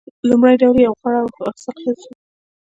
لومړی ډول یې یوه غوره او حاصلخیزه ځمکه ده